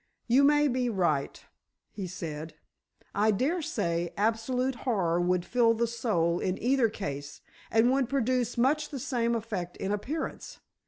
"You may be right," he said; "I daresay absolute horror would fill the soul in either case, and would produce much the same effect in appearance.